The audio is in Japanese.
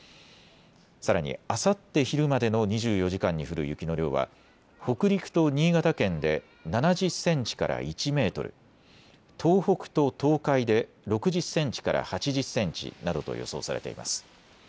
さらに、あさって昼までの２４時間に降る雪の量は北陸と新潟県で７０センチから１メートル、東北と東海で６０センチから８０センチなどと予想されています。